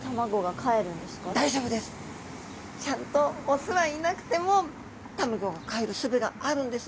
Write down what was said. ちゃんと雄はいなくてもたまギョがかえるすべがあるんですね。